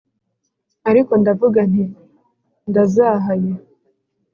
Ariko ndavuga nti ndazahaye